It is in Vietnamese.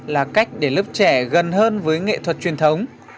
là cách để lớp trẻ gần hơn với nghệ thuật truyền thống